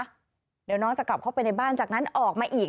เดี๋ยวน้องจะกลับเข้าไปในบ้านจากนั้นออกมาอีก